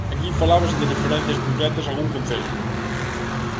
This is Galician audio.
Aquí falábase de referencias concretas a algún concello.